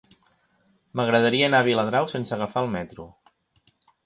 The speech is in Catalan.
M'agradaria anar a Viladrau sense agafar el metro.